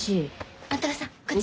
万太郎さんこっち。